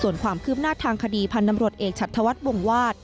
ส่วนความคืบหน้าทางคดีพันธ์ตำรวจเอกชัดธวัฒน์วงวาด